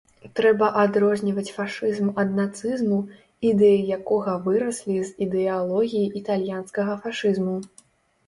Трэба адрозніваць фашызм ад нацызму, ідэі якога выраслі з ідэалогіі італьянскага фашызму.